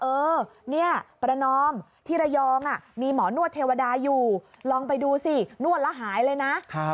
เออเนี่ยประนอมที่ระยองมีหมอนวดเทวดาอยู่ลองไปดูสินวดแล้วหายเลยนะ